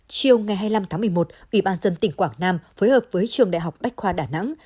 chiều ngày hai mươi năm tháng một mươi một ủy ban dân tỉnh quảng nam phối hợp với trường đại học bách khoa đà nẵng